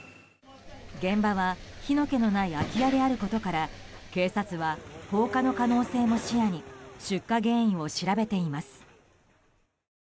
現場は火の気のない空き家であることから警察は放火の可能性も視野に出火原因を調べています。